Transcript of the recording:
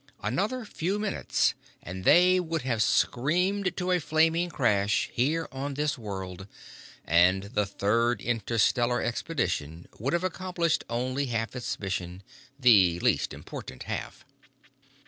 Another few minutes and they would have screamed to a flaming crash here on this world and the Third Interstellar Expedition would have accomplished only half its mission, the least important half.